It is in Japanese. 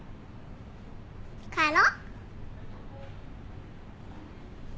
帰ろ。